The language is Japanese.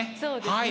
はい。